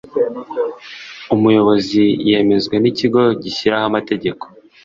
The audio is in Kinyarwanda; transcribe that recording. umuyobozi yemezwa n’ikigo gishyiraho amategeko